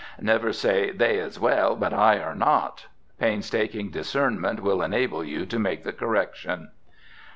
Never say, "They is well, but I are not." Painstaking discernment will enable you to make the correction.